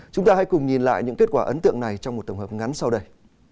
chúng ta hãy cùng nhìn lại những kết quả ấn tượng này trong một tổng hợp ngắn sau đây